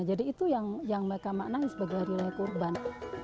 jadi itu yang mereka maknanya sebagai hari raya kurban